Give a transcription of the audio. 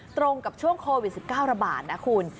ตรงกับช่วงโควิด๑๙ระบาดนะคุณ